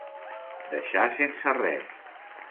Deixar sense res.